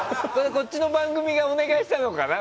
こっちの番組がお願いしたのかな。